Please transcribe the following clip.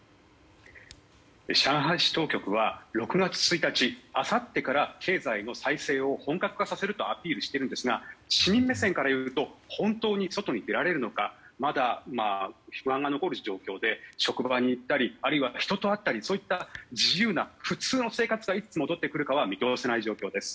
上海市当局は６月１日あさってから経済の再生を本格化させるとアピールしているんですが市民目線から言うと本当に外に出られるのかまだ不安が残る状況で職場に行ったりあるいは人と会ったりそういった自由な普通の生活がいつ戻ってくるのかは見通せない状況です。